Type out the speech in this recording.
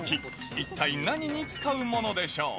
一体何に使うものでしょう？